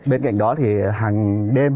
bên cạnh đó thì hàng đêm